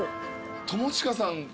友近さん